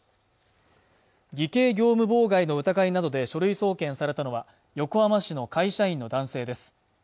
偽計業務妨害の疑いなどで書類送検されたのは横浜市の会社員の男性です